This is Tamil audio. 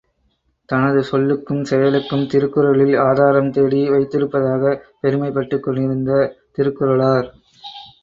தனது சொல்லுக்கும் செயலுக்கும் திருக்குறளில் ஆதாரம் தேடி வைத்திருப்பதாகப் பெருமைப்பட்டுக் கொண்டிருந்த திருக்குறளார்.